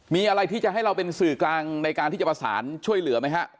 มีอะไรที่จะให้เราเป็นสื่อกลางในการที่จะประสานช่วยเหลือไหมฮะ